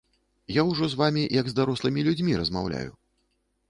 Я ўжо з вамі як з дарослымі людзьмі размаўляю.